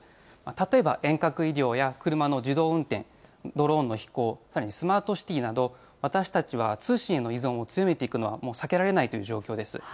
例えば、遠隔医療や車の自動運転、ドローンの飛行、さらにスマートシティなど、私たちは通信への依存を強めていくのは避けられないという状況です。